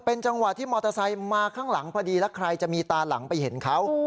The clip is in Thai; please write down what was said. จังหวะที่มอเตอร์ไซค์มาข้างหลังพอดีแล้วใครจะมีตาหลังไปเห็นเขา